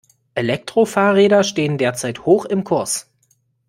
Elektrofahrräder stehen derzeit hoch im Kurs.